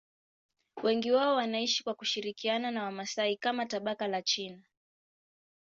Wengi wao wanaishi kwa kushirikiana na Wamasai kama tabaka la chini.